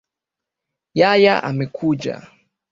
yaya amekuja